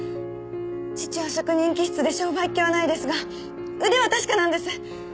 父は職人気質で商売っ気はないですが腕は確かなんです。